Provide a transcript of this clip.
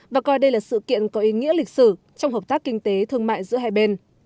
và coi đây là sự kiện có ý nghĩa lịch sử trong hợp tác kinh tế thương mại giữa hai bên